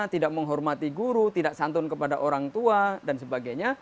tidak menghormati guru tidak santun kepada orang tua dan sebagainya